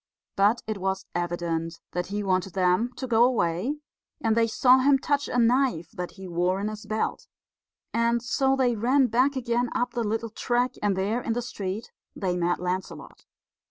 But it was evident that he wanted them to go away, and they saw him touch a knife that he wore in his belt; and so they ran back again up the little track, and there in the street they met Lancelot.